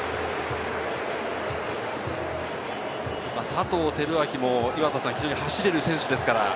佐藤輝明も走れる選手ですから。